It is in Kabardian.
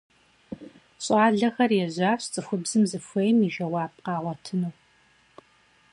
ЩӀалэхэр ежьащ цӀыхубзыр зыхуейм и жэуап къагъуэтыну.